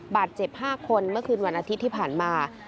บาดเจ็บ๕คนเมื่อคืนวันอาทิตย์ที่ผ่านมา